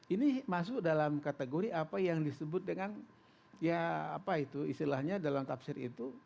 ini masuk dalam kategori apa yang disebut dengan ya apa itu istilahnya dalam tafsir itu